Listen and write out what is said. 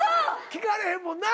聞かれへんもんな！